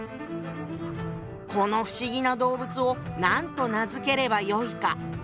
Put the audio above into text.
「この不思議な動物を何と名付ければよいか」。